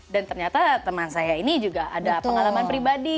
dan ternyata teman saya ini juga ada pengalaman pribadi